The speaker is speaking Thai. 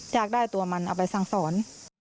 อยากได้ตัวมันเอาไปสั่งสอน